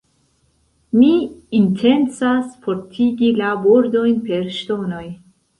Mi intencas fortikigi la bordojn per ŝtonoj.